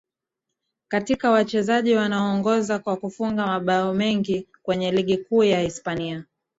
katika wachezaji wanaongoza kwa kufunga mabao mengi kwenye ligi kuu ya Hispania